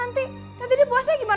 nanti kalau puasnya dia kelaparan gimana